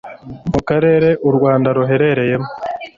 Mu Karere u Rwanda ruherereyemo